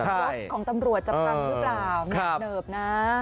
รถของตำรวจจะพังหรือเปล่าเหิบเหนิบนะ